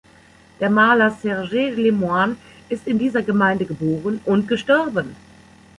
Der Maler Serge Lemoine ist in dieser Gemeinde geboren und gestorben.